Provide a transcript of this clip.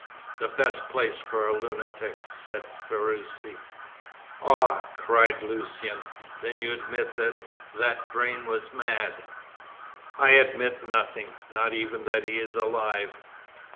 "The best place for a lunatic," said Ferruci. "Ah!" cried Lucian. "Then you admit that that Vrain was mad?" "I admit nothing, not even that he is alive.